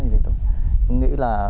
thì tôi nghĩ là